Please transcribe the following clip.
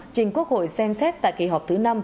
trình quốc hội xem xét tại kỳ họp thứ năm